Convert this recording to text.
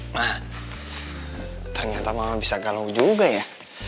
nah ternyata mama bisa galau juga ya